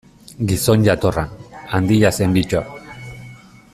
Gizon jatorra, handia zen Bittor.